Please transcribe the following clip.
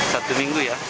satu minggu ya